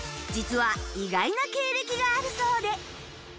実は意外な経歴があるそうで